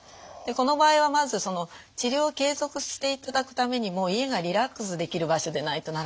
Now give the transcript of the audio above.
この場合はまずその治療を継続していただくためにも家がリラックスできる場所でないとならないんですね。